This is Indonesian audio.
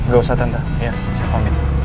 gak usah tante saya komit